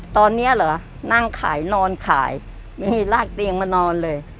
ตอนนี้เหรอนั่งขายนอนขายนี่ลากเตียงมานอนเลย